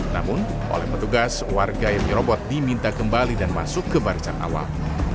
namun oleh petugas warga yang dirobot diminta kembali dan masuk ke barisan awal